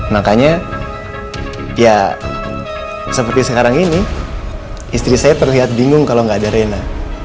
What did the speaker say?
makanya ya seperti sekarang ini istri saya terlihat bingung kalau nggak ada rena